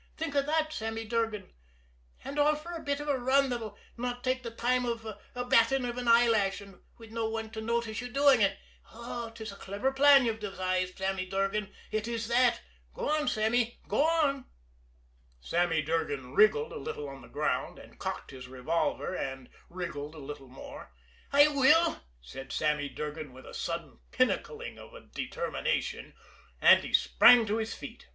Think of that, Sammy Durgan! And all for a bit of a run that'll not take the time of a batting of an eyelash, and with no one to notice you doing it. 'Tis a clever plan you've devised, Sammy Durgan it is that. Go on, Sammy; go on!" Sammy Durgan wriggled a little on the ground, cocked his revolver and wriggled a little more. "I will!" said Sammy Durgan with a sudden pinnacling of determination and he sprang to his feet.